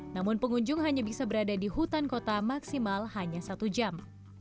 namun pengunjung hanya bisa berada di hutan kota maksimal hanya satu jam